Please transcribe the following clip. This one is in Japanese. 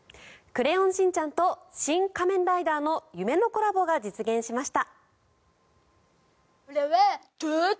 「クレヨンしんちゃん」と「シン・仮面ライダー」の夢のコラボが実現しました。